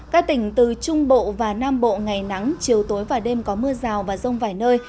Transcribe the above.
các tỉnh từ trung bộ và nam bộ ngày nắng chiều tối và đêm có mưa rào và rông vài nơi